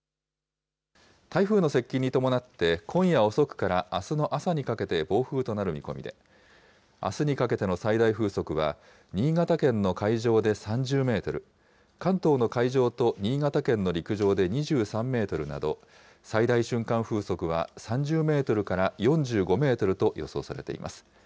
台風の接近に伴って、今夜遅くからあすの朝にかけて暴風となる見込みで、あすにかけての最大風速は、新潟県の海上で３０メートル、関東の海上と新潟県の陸上で２３メートルなど、最大瞬間風速は３０メートルから４５メートルと予想されています。